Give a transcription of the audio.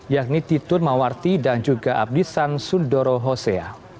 yakni titun mawarti dan juga abdisan sundoro hosea